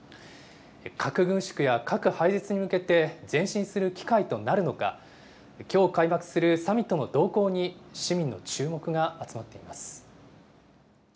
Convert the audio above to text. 核軍縮や核廃絶に向けて前進する機会となるのか、きょう開幕するサミットの動向に市民の注目が集まっています。